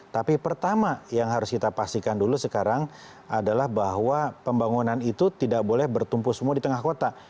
tapi pertama yang harus kita pastikan dulu sekarang adalah bahwa pembangunan itu tidak boleh bertumpu semua di tengah kota